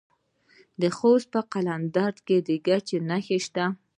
د خوست په قلندر کې د ګچ نښې شته.